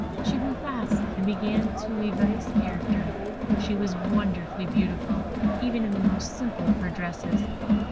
She grew fast, and began to evince character; she was wonderfully beautiful, even in the most simple of her dresses.